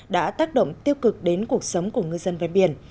đã tác động tiêu cực đến cuộc sống của ngư dân về biển